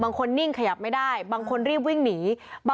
บางคนนิ่งขยับไม่ได้บางคนรีบวิ่งหนี